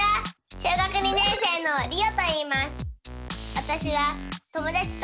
小学２年生のりおといいます。